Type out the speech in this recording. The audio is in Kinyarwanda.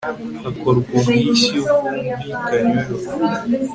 hakorwa ubwishyu bwumvikanyweho